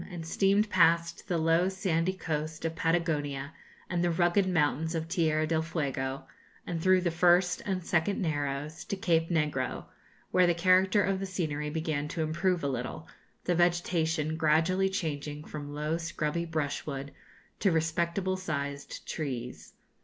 and steamed past the low sandy coast of Patagonia and the rugged mountains of Tierra del Fuego, and through the First and Second Narrows, to Cape Negro, where the character of the scenery began to improve a little, the vegetation gradually changing from low scrubby brushwood to respectable sized trees.